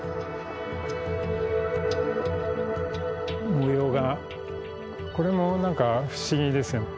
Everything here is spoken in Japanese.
模様がこれも何か不思議ですよ。